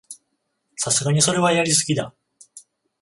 さすがにそれはやりすぎだ